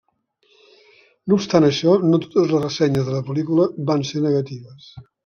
No obstant això, no totes les ressenyes de la pel·lícula van ser negatives.